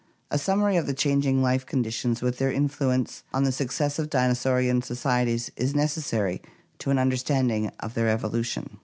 A summary of the changing life con ditions with their influence on the successive dinosaurian societies is necessary to an understanding of their evolution.